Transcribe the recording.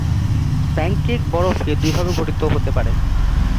Pancake বরফ দুইভাবে গঠিত হতে পারে।